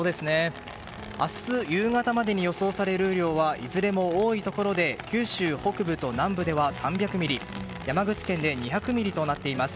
明日夕方までに予想される雨量はいずれも多いところで九州北部と南部では３００ミリ山口県で２００ミリとなっています。